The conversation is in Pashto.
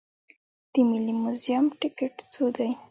د ملي موزیم ټکټ څو دی؟